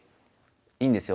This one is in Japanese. いいんですよ。